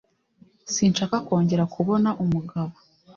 Sinshaka kongera kubona umugabo.